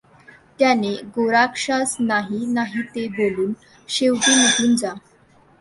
त्याने गोरक्षास नाही नाही ते बोलून शेवटी निघून जा.